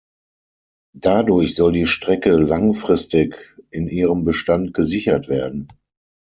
Dadurch soll die Strecke langfristig in ihrem Bestand gesichert werden.